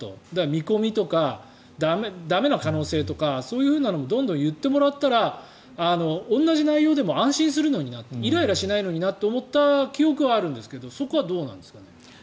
見込みとか、駄目な可能性とかそういうのもどんどん言ってもらったら同じ内容でも安心するのになってイライラしないのになって思った記憶があるんですがそこはどうなんですか。